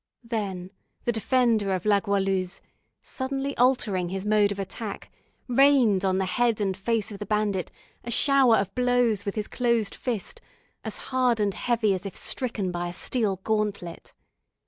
Then the defender of La Goualeuse, suddenly altering his mode of attack, rained on the head and face of the bandit a shower of blows with his closed fist, as hard and heavy as if stricken by a steel gauntlet.